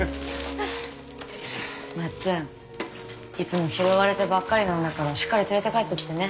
まっつんいつも拾われてばっかりなんだからしっかり連れて帰ってきてね